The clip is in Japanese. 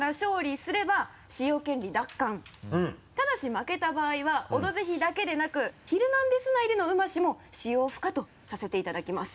ただし負けた場合は「オドぜひ」だけでなく「ヒルナンデス！」内での「うまし」も使用不可とさせていただきます。